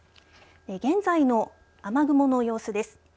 現在の雨雲の様子です。